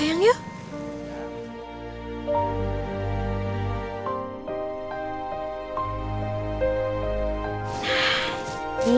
saya mau pergi